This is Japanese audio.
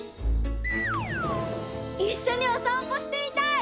いっしょにおさんぽしてみたい！